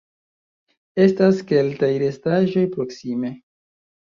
Estas keltaj restaĵoj proksime.